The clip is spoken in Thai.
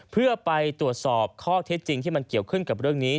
เพื่อไปตรวจสอบข้อเท็จจริงที่มันเกี่ยวข้องกับเรื่องนี้